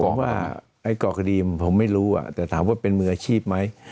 ผมว่าไอ้ก่อคดีผมไม่รู้แต่ถามว่าเป็นมืออาชีพไหม